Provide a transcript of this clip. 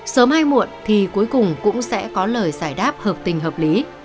sớm mai muộn thì cuối cùng cũng sẽ có lời giải đáp hợp tình hợp lý